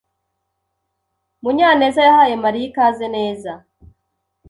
Munyaneza yahaye Mariya ikaze neza.